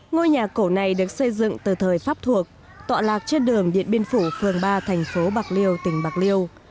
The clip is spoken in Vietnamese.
ngôi nhà cổ này được xây dựng từ thời pháp thuộc tọa lạc trên đường điện biên phủ phường ba thành phố bạc liêu tỉnh bạc liêu